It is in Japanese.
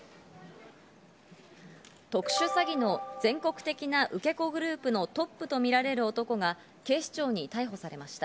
特殊詐欺の全国的な受け子グループのトップとみられる男が警視庁に逮捕されました。